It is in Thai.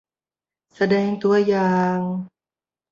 แสดงตัวอย่าง